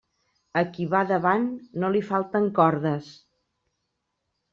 A qui va davant no li falten cordes.